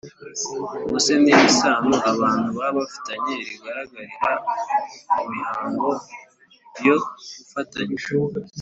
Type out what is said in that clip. Ubuse ni isano abantu baba bafitanye rigaragarira mu mihango yo gufatanya